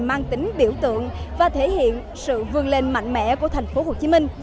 mang tính biểu tượng và thể hiện sự vươn lên mạnh mẽ của thành phố hồ chí minh